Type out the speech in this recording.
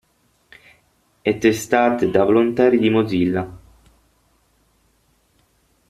E testate da volontari di Mozilla.